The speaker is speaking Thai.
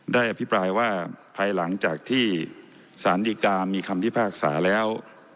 อภิปรายว่าภายหลังจากที่สารดีกามีคำพิพากษาแล้ว